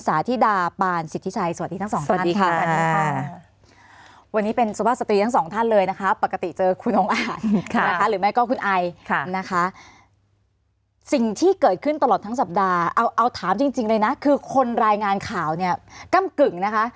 เอาถามจริงเลยนะคือคนรายงานข่าวเนี่ยกำกึ่งนะคะ